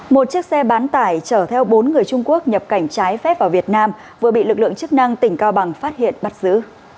một chiếc xe bán tải chở theo bốn người trung quốc nhập cảnh trái phép vào việt nam vừa bị lực lượng chức năng tỉnh cao bằng phát hiện bắt giữ